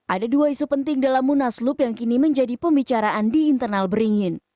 ada dua isu penting dalam munaslup yang kini menjadi pembicaraan di internal beringin